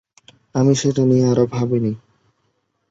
আমি সেটা নিয়ে আর ভাবি না।